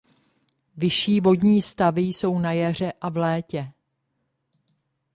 Vyšší vodní stavy jsou na jaře a v létě.